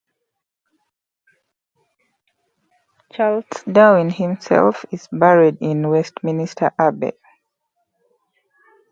Charles Darwin himself is buried in Westminster Abbey.